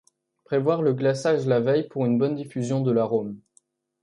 Prévoir le glaçage la veille pour une bonne diffusion de l’arôme.